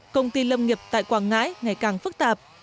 công ty lâm nghiệp tại quảng ngãi ngày càng phức tạp